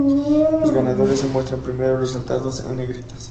Los ganadores se muestran primero y resaltados en negrita.